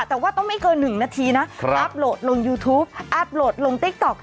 แต่ว่าต้องไม่เกิน๑นาทีนะอัพโหลดลงยูทูปอัพโหลดลงติ๊กต๊อก